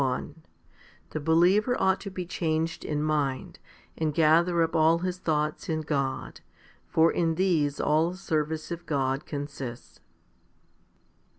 HOMILY XXXI The believer ought to be changed in mind, and gather up all his thoughts in God; for in these all service of God consists.